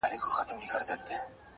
ویل زه که یو ځل ولاړمه ورکېږم-